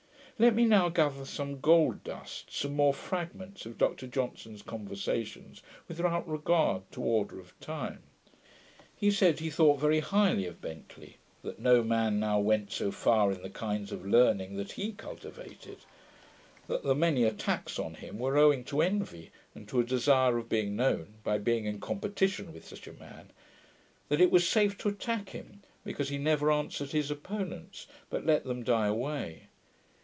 Let me now gather some gold dust some more fragments of Dr Johnson's conversation, without regard to order of time. He said, he thought very highly of Bentley; that no man now went so far in the kinds of learning that he cultivated; that the many attacks on him were owing to envy, and to a desire of being known, by being in competition with such a man; that it was safe to attack him, because he never answered his opponents, but let them die away.